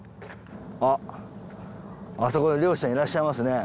あっあそこに漁師さんいらっしゃいますね。